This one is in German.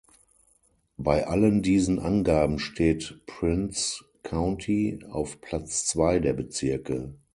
Bei allen diesen Angaben steht Prince County auf Platz zwei der Bezirke.